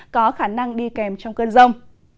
có khả năng đi kèm trong cơn rông